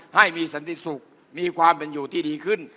ให้มีสันติสุขมีความเป็นอยู่ที่ดีขึ้น